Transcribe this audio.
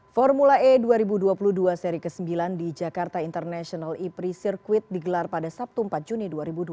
formula e dua ribu dua puluh dua seri ke sembilan di jakarta international e pri circuit digelar pada sabtu empat juni dua ribu dua puluh